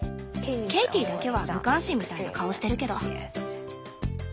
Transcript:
ケイティだけは無関心みたいな顔してるけど。